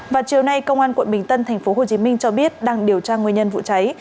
vào chiều nay công an quận bình tân tp hcm cho biết đang điều tra nguyên nhân vụ cháy